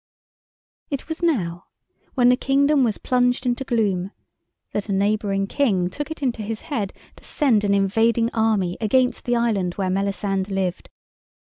It was now, when the kingdom was plunged into gloom, that a neighbouring King took it into his head to send an invading army against the island where Melisande lived.